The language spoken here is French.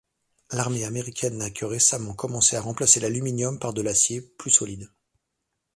L'armée américaine n'a que récemment commencé à remplacer l'aluminium par de l'acier, plus solide.